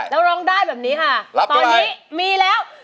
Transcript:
แล้วร้องได้แบบนี้ค่ะตอนนี้มีแล้ว